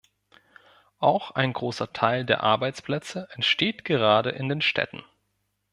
Auch ein großer Teil der Arbeitsplätze entsteht gerade in den Städten.